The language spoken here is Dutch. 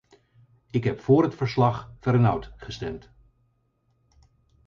Ik heb voor het verslag-Vergnaud gestemd.